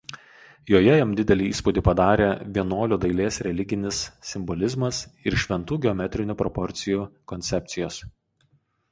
Joje jam didelį įspūdį padarė vienuolių dailės religinis simbolizmas ir „šventų“ geometrinių proporcijų koncepcijos.